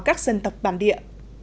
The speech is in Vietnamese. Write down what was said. các dân tộc bản địa